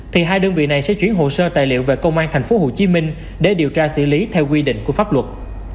thì hai đơn vị này sẽ chuyển hồ sơ tài liệu về công an tp hcm để điều tra xử lý theo quy định của pháp luật